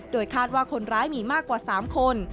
โดยคาดว่าคนร้ายมีมากกว่า๓คน